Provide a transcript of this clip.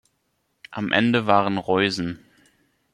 Am Ende waren Reusen.